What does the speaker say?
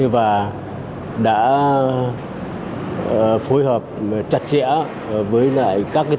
và đã phối hợp chặt chẽ với các tỉnh